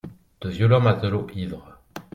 de violents matelots ivres.